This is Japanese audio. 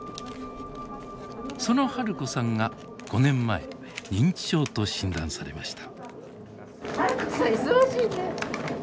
その治子さんが５年前認知症と診断されました。